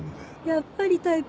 やっぱりタイプなんだ。